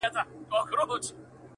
پسرلیه نن دي رنګ د خزان راوی,